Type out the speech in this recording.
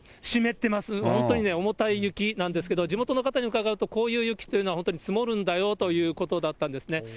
湿ってます、本当に重たい雪なんですけれども、地元の方に伺うと、こういう雪というのは本当に積もるんだよということだったんですね。